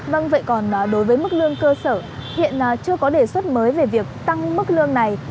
vâng vậy còn đối với mức lương cơ sở hiện chưa có đề xuất mới về việc tăng mức lương này